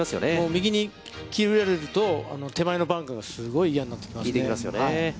右に切れると手前のバンカーがすごい嫌になってきますね。